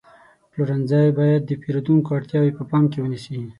پلورنځی باید د پیرودونکو اړتیاوې په پام کې ونیسي.